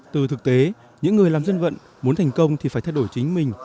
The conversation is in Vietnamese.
từ thực tế những người làm dân vận muốn thành công thì phải thay đổi chính mình